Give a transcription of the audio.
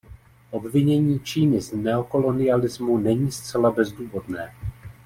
Obvinění Číny z neokolonialismu není zcela bezdůvodné.